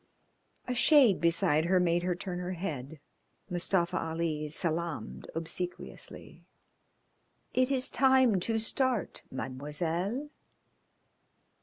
A shade beside her made her turn her head. Mustafa Ali salaamed obsequiously. "It is time to start, Mademoiselle."